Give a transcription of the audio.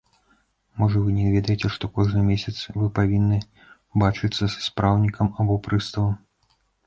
Можа, вы не ведаеце, што кожны месяц вы павінны бачыцца са спраўнікам або прыставам?